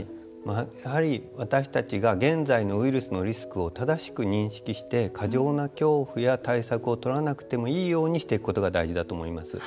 やはり私たちが現在のウイルスのリスクを正しく認識して過剰な恐怖や対策をとらなくてもいいようにしていくことが大事だと思います。